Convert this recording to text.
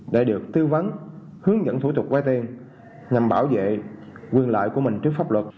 để được tư vấn hướng dẫn thủ tục vay tiền nhằm bảo vệ quyền lợi của mình trước pháp luật